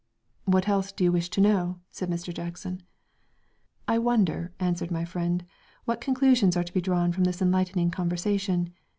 "What else do you wish to know?" said Mr. Jackson. "I wonder," answered my friend, "what conclusions are to be drawn from this enlightening conversation.